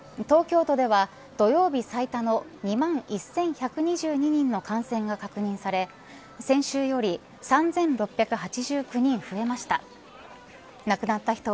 東京都では土曜日最多の２万１１２２人の感染が確認され先週より３６８９人増えました。